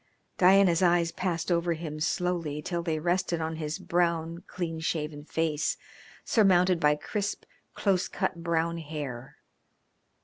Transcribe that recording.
Diana's eyes passed over him slowly till they rested on his brown, clean shaven face, surmounted by crisp, close cut brown hair.